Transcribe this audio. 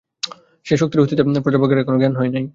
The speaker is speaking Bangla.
সে শক্তির অস্তিত্বে প্রজাবর্গের এখনও জ্ঞান হয় নাই।